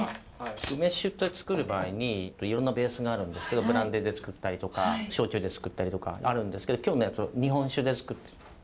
梅酒って作る場合にいろんなベースがあるんですけどブランデーで作ったりとか焼酎で作ったりとかあるんですけど今日のやつは日本酒で作ってる。